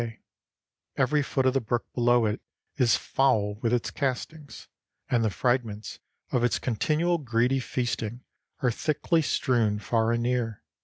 Every foot of the brook below it is foul with its castings, and the fragments of its continual greedy feasting are thickly strewn far and near.